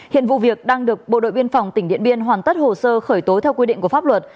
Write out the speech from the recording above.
hiện vụ việc đang được bộ đội biên phòng tỉnh điện biên hoàn tất hồ sơ khởi tố theo quy định của pháp luật